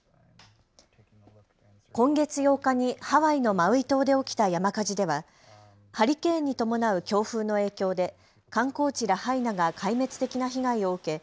今月８日にハワイのマウイ島で起きた山火事ではハリケーンに伴う強風の影響で観光地ラハイナが壊滅的な被害を受け